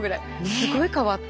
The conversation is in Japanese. すごい変わった。